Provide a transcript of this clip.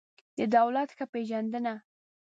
د دولت ښه پېژندنه